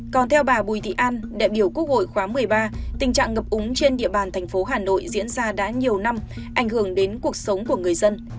còn theo bà bùi thị an đại biểu quốc hội khóa một mươi ba tình trạng ngập úng trên địa bàn thành phố hà nội diễn ra đã nhiều năm ảnh hưởng đến cuộc sống của người dân